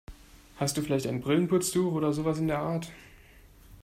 Hast du vielleicht ein Brillenputztuch oder sowas in der Art?